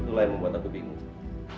itulah yang membuat aku bingung